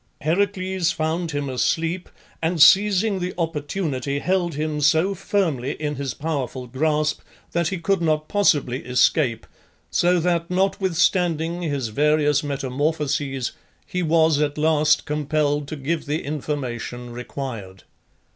Heracles found him asleep, and seizing the opportunity, held him so firmly in his powerful grasp that he could not possibly escape, so that notwithstanding his various metamorphoses he was at last compelled to give the information required.